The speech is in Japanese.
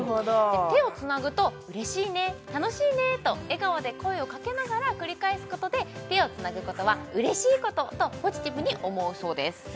「手をつなぐとうれしいね楽しいね」と笑顔で声をかけながら繰り返すことで手をつなぐことはうれしいこととポジティブに思うそうです